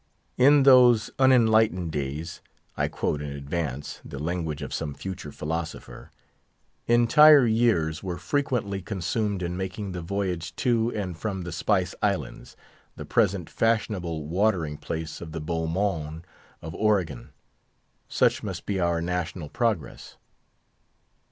"In those unenlightened days" (I quote, in advance, the language of some future philosopher), "entire years were frequently consumed in making the voyage to and from the Spice Islands, the present fashionable watering place of the beau monde of Oregon." Such must be our national progress.